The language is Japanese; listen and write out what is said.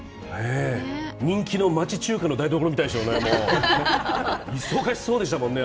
人気の町中華の台所みたいですね、忙しそうですね。